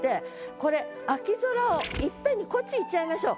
これ「秋空」をいっぺんにこっちいっちゃいましょう。